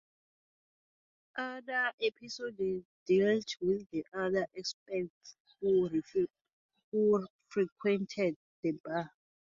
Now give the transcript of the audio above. Other episodes dealt with the other expats who frequented the bar.